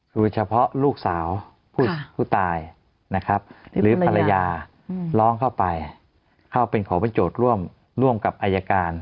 โดยเฉพาะลูกสาวผู้ตายนะครับหรือภรรยาร้องเข้าไปเข้าไปขอประโยชน์ร่วมกับอายการ